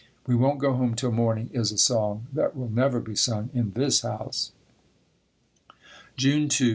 "We won't go home till morning" is a song that will never be sung in this house. June 2.